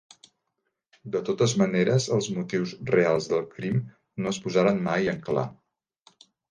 De totes maneres, els motius reals del crim no es posaren mai en clar.